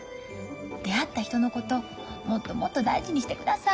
出会った人のこともっともっと大事にしてください。